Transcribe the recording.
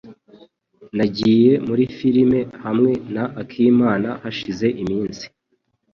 Nagiye muri firime hamwe na akimana hashize iminsi.